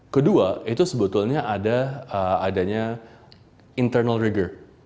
kedua itu sebetulnya adanya internal regur